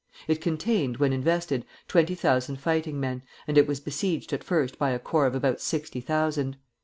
It contained, when invested, twenty thousand fighting men, and it was besieged at first by a corps of about sixty thousand.